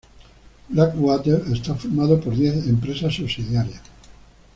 Blackwater está formada por diez empresas subsidiarias.